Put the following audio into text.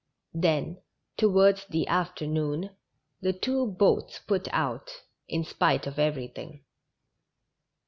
Then, towards the afternoon, the two boats put out, in spite of everything.